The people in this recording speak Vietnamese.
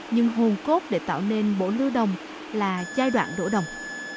nhưng hồn cốt để tạo nên bộ lưu đồng là giai đoạn đổ đồng